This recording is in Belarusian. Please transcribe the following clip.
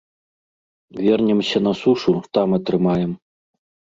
Вернемся на сушу, там атрымаем.